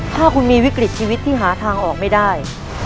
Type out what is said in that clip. ถ้าคุณมีวิกฤตชีวิตที่หาทางออกไม่ได้